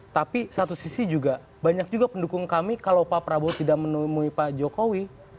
tapi satu sisi juga banyak juga pendukung kami kalau pak prabowo tidak menemui pak jokowi